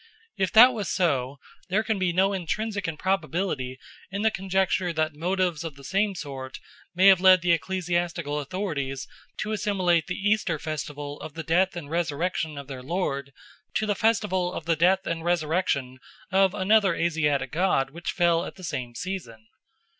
If that was so, there can be no intrinsic improbability in the conjecture that motives of the same sort may have led the ecclesiastical authorities to assimilate the Easter festival of the death and resurrection of their Lord to the festival of the death and resurrection of another Asiatic god which fell at the same season.